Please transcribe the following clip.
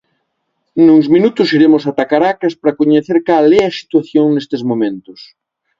Nuns minutos iremos ata Caracas para coñecer cal é a situación nestes momentos.